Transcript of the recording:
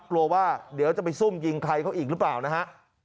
กลัวว่าเดี๋ยวจะไปซุ่มยิงใครเขาอีกหรือเปล่านะฮะ